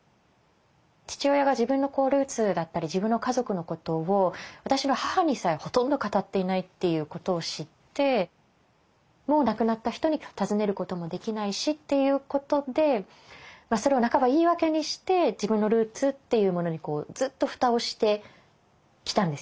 父親が自分のルーツだったり自分の家族のことを私の母にさえほとんど語っていないっていうことを知ってもう亡くなった人に尋ねることもできないしっていうことでそれを半ば言い訳にして自分のルーツっていうものにずっと蓋をしてきたんですよね